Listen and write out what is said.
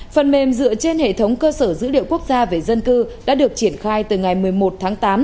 phần mềm dựa trên hệ thống cơ sở dữ liệu quốc gia về dân cư đã được triển khai từ ngày một mươi một tháng tám